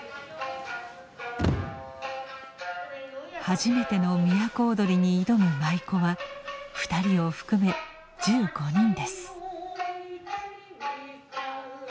初めての都をどりに挑む舞妓は２人を含め１５人です。